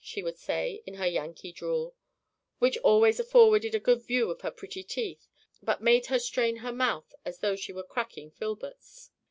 she would say, in her Yankee drawl, which always afforded a good view of her pretty teeth but made her strain her mouth as though she were cracking filberts.